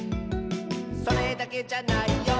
「それだけじゃないよ」